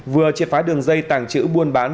vừa triệt phái đường dây tàng trữ buôn bán